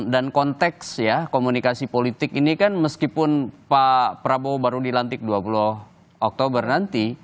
dan konteks ya komunikasi politik ini kan meskipun pak prabowo baru dilantik dua puluh oktober nanti